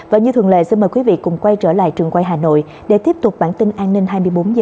và như thường lệ xin mời quý vị cùng quay trở lại trường quay hà nội để tiếp tục bản tin an ninh hai mươi bốn h